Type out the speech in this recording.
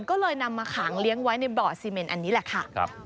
ก็เลยนำมาขังเลี้ยงไว้ในบ่อซีเมนอันนี้แหละค่ะ